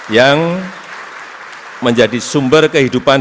yang menjadi sumber kehidupan